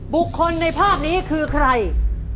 บุคคลในภาพนี้คือใคร